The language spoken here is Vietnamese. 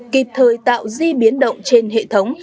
kịp thời tạo di biến động trên hệ thống